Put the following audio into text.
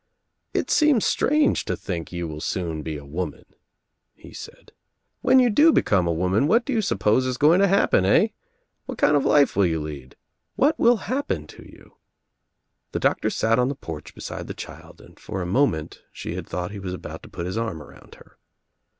"It seems strange to think you will soon be a woman," he said. "When you do become a woman what do you suppose is going to happen, eh? What kind of a life will you lead? What will happen to you?" The doctor sat on the porch beside the child and for a moment she had thought he was about to put his arm around her.